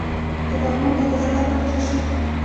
د پغمان طاق ظفر ولې جوړ شو؟